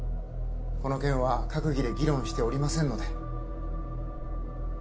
この件は閣議で議論しておりませんので。